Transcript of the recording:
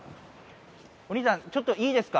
お兄さんちょっといいですか？